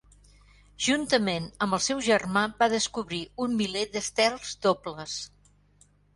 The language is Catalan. Juntament amb el seu germà, va descobrir un miler d'estels dobles.